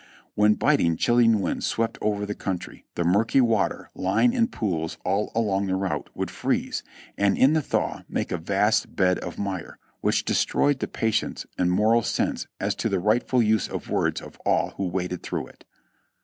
When biting, chilling winds swept over the country, the murky water, lying in pools all along the route, would freeze, and in the thaw make a vast bed of mire, which destroyed the patience and moral sense as to the rightful use of words of all who waded through it.